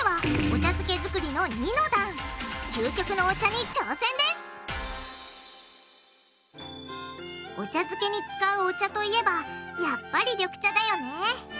お茶漬けに使うお茶といえばやっぱり緑茶だよね